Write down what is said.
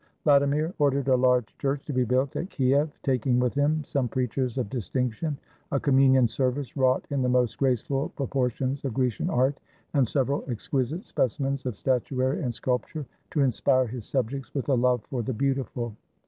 Vladimir ordered a large church to be built at Kiev, taking with him some preachers of distinction; a communion service wrought in the most graceful propor tions of Grecian art, and several exquisite specimens of statuary and sculpture, to inspire his subjects with a love for the beautiful.